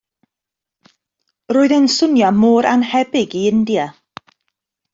Roedd e'n swnio mor annhebyg i India.